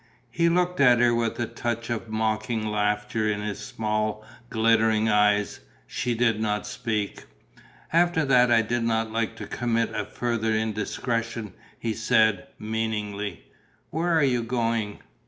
He looked at her with a touch of mocking laughter in his small, glittering eyes. She did not speak. "After that I did not like to commit a further indiscretion," he said, meaningly. "Where are you going?"